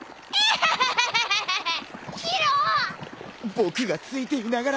僕がついていながら。